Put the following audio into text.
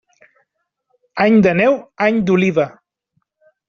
Any de neu, any d'oliva.